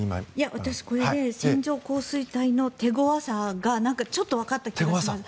私、線状降水帯の手ごわさが何かちょっと分かった気がします。